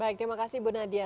baik terima kasih bu nadia